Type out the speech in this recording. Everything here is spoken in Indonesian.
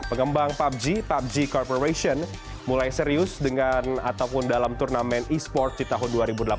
pengembang pubg pubg corporation mulai serius dengan ataupun dalam turnamen e sports di tahun dua ribu delapan belas